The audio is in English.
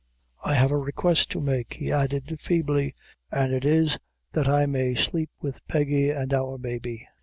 "I have a request to make," he added, feebly; "an' it is, that I may sleep with Peggy and our baby.